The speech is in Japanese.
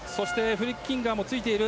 フリッキンガーもついている。